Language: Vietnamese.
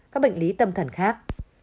các bệnh lý tâm thần khác